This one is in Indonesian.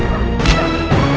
kami akan mencari raden pemalarasa